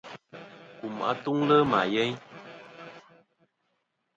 Kum atuŋlɨ ma yeyn.